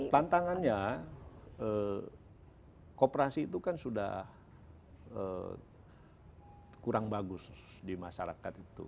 tantangannya kooperasi itu kan sudah kurang bagus di masyarakat itu